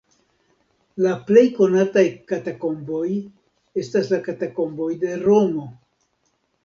La plej konataj katakomboj estas la Katakomboj de Romo.